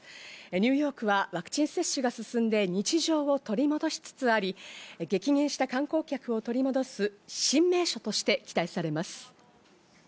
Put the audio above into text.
ニューヨークはワクチン接種が進んで日常を取り戻しつつあり、激減した観光客を取り戻す新名所として期待されます。